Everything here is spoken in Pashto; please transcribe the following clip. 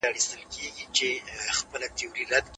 بد فکر تل شاته تګ راولي